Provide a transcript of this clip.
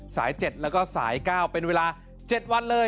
สาย๗แล้วก็สาย๙เป็นเวลา๗วันเลย